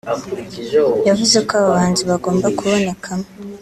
yavuze ko aba bahanzi bagomba kubonekamo